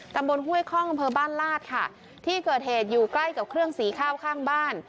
ตำบลห้วยข้องกับบ้านลาดค่ะที่เกิดเหตุอยู่ใกล้กับเครื่องสีข้าวข้างบ้าน